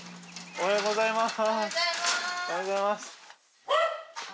おはようございます。